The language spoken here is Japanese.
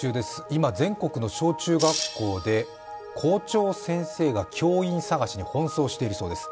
今、全国の小中学校で校長先生が教員探しに奔走しているそうです。